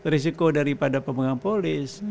risiko daripada pemegang polis